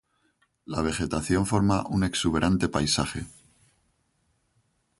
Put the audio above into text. La vegetación forma un exuberante paisaje.